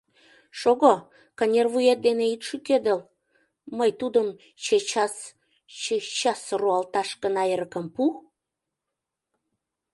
Шого, кынервует дене ит шӱкедыл... мый тудым чечас... чечас, руалташ гына эрыкым пу...